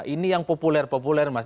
ini yang populer populer mas